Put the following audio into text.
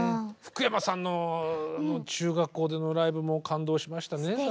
福山さんの中学校でのライブも感動しましたね。